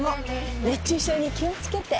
熱中症に気をつけて